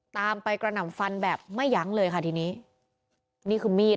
ตามไปกระหน่ำฟันแบบไม่ยั้งเลยค่ะทีนี้นี่คือมีด